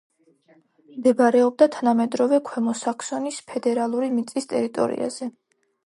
მდებარეობდა თანამედროვე ქვემო საქსონიის ფედერალური მიწის ტერიტორიაზე.